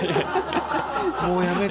もうやめて。